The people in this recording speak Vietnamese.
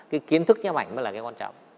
cái kiến thức nhếp ảnh mới là cái quan trọng